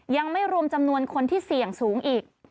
ยังไม่รวมจำนวนคนที่เสี่ยงสูงอีก